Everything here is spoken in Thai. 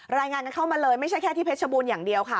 รายงานกันเข้ามาเลยไม่ใช่แค่ที่เพชรบูรณ์อย่างเดียวค่ะ